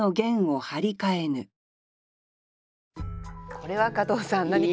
これは加藤さん何か。